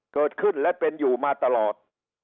เกิดขึ้นและเป็นอยู่มาตลอด